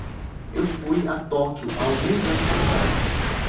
Eu fui a Tóquio há alguns anos atrás.